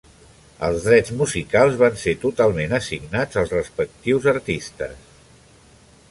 Els drets musicals van ser totalment assignats als respectius artistes.